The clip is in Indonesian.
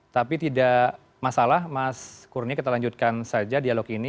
tapi tidak masalah mas kurnia kita lanjutkan saja dialog ini